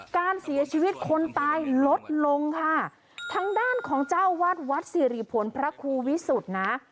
การเสียชีวิตคนตายลดลงค่ะทางด้านของเจ้าวัดวัดสิริผลพระครูวิสุทธิ์นะ